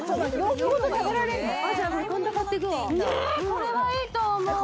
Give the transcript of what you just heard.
これはいいと思う。